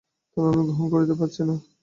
তবে আমি গ্রহণ করতে পারছি না।